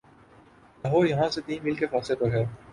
لاہور یہاں سے تین میل کے فاصلے پر ہے